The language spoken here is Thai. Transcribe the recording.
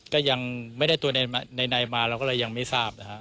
ก็ยังไม่ได้ตัวในมาเราก็เลยยังไม่ทราบนะฮะ